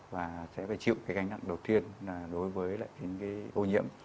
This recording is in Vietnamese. và sẽ phải chịu cái gánh nặng đầu tiên đối với lại cái ô nhiễm